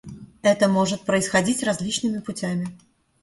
Это может происходить различными путями.